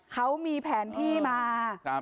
เขามีแผนที่มา